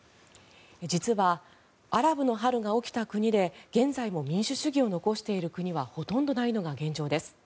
実はアラブの春が起きた国で現在も民主主義を残している国はほとんどないのが現状です。